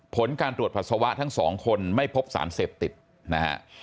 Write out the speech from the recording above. ผลการตรวจปัสสาวะทั้งสองคนไม่พบสารเสพติดนะฮะ